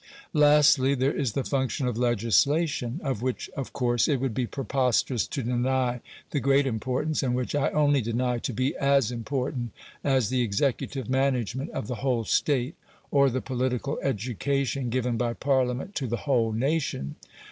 Lastly, there is the function of legislation, of which of course it would be preposterous to deny the great importance, and which I only deny to be AS important as the executive management of the whole State, or the political education given by Parliament to the whole nation.